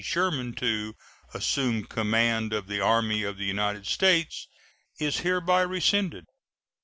Sherman to "assume command of the Army of the United States," is hereby rescinded.